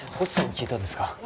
星さんに聞いたんですか？